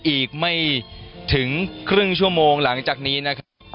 อีกไม่ถึงครึ่งชั่วโมงหลังจากนี้นะครับ